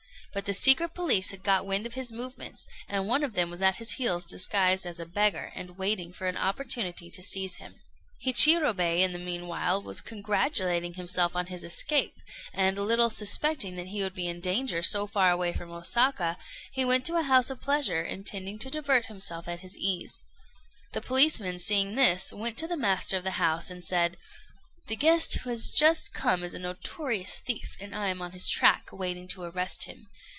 But the secret police had got wind of his movements, and one of them was at his heels disguised as a beggar, and waiting for an opportunity to seize him. Hichirobei in the meanwhile was congratulating himself on his escape; and, little suspecting that he would be in danger so far away from Osaka, he went to a house of pleasure, intending to divert himself at his ease. The policeman, seeing this, went to the master of the house and said "The guest who has just come in is a notorious thief, and I am on his track, waiting to arrest him.